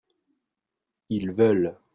ils veulent.